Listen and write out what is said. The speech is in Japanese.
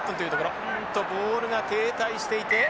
うんとボールが停滞していて。